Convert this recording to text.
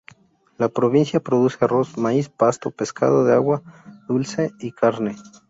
La provincia produce arroz, maíz, pasto, pescado de agua dulce y carne.